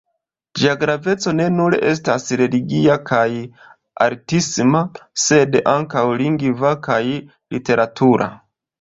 Ĝia graveco ne nur estas religia kaj artisma, sed ankaŭ lingva kaj literatura.